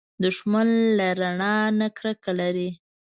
دښمن له رڼا نه کرکه لري